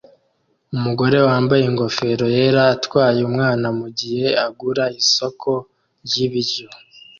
Umugore wambaye ingofero yera atwaye umwana mugihe agura isoko ryibiryo